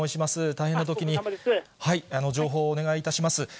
大変なときに、情報をお願いいたします。